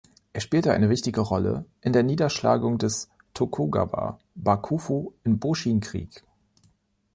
Er spielte eine wichtige Rolle in der Niederschlagung des Tokugawa-Bakufu im Boshin-Krieg.